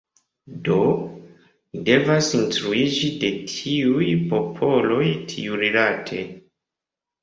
Do, ni devas instruiĝi de tiuj popoloj tiurilate.